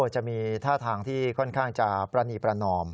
จะมีท่าทางที่ค่อนข้างจะปรณีประนอม